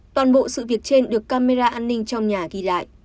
toàn bộ sự việc trên được camera an ninh trong nhà ghi lại